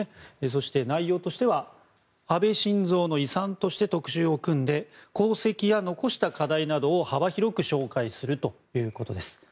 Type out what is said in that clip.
そして、内容としては「安倍晋三の遺産」として特集を組んで功績や残した課題などを幅広く紹介するということです。